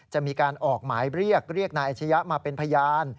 จะมีการออกหมายเรียกเรียกนายอาชญะมาเป็นพยาน